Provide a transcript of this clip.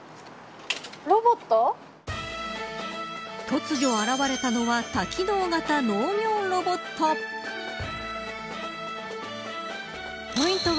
突如現れたのは多機能型農業ロボット。